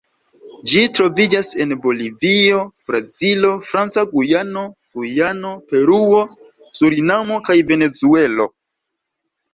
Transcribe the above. Ĝi troviĝas en Bolivio, Brazilo, Franca Gujano, Gujano, Peruo, Surinamo kaj Venezuelo.